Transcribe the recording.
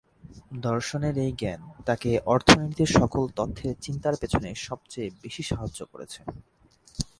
দর্শনের এই জ্ঞান তাকে অর্থনীতির সকল তত্ত্বের চিন্তার পেছনে সবচেয়ে বেশি সাহায্য করেছে।